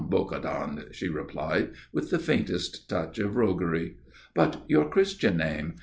Bocardon," she replied, with the faintest touch of roguery. "But your Christian name?